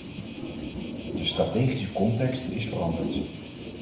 De strategische context is veranderd.